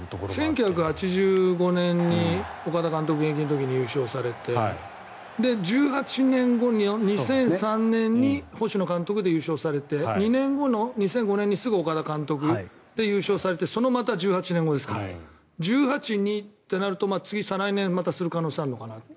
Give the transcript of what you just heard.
１９８５年に岡田監督現役の時に優勝されて１８年後の２００３年に星野監督で優勝されて２年後の２００５年にすぐ岡田監督で優勝されてそのまた１８年後ですから１８、２ってなると次は再来年にまたする可能性があるのかなと。